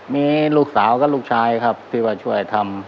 มีลูกาวก็ลูกชายครับที่ช่วยทำ